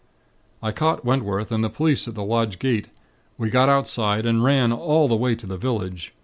"I caught Wentworth and the police at the lodge gate. We got outside, and ran all the way to the village.